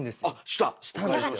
したんですよ。